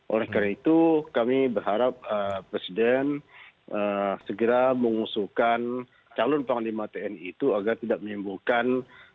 oleh karena itu kami berharap presiden segera mengusulkan calon panglima tni itu agar tidak menimbulkan